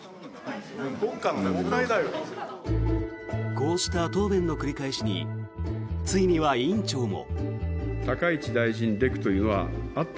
こうした答弁の繰り返しについには委員長も。